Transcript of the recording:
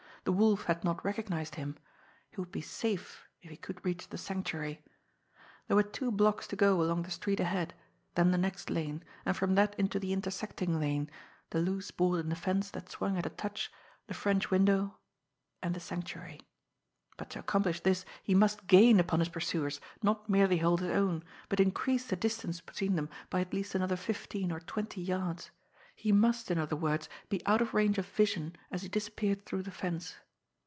The Wolf had not recognised him. He would be safe if he could reach the Sanctuary! There were two blocks to go along the street ahead, then the next lane, and from that into the intersecting lane, the loose board in the fence that swung at a touch, the French window and the Sanctuary. But to accomplish this he must gain upon his pursuers, not merely hold his own, but increase the distance between them by at least another fifteen or twenty yards; he must, in other words, be out of range of vision as he disappeared through the fence.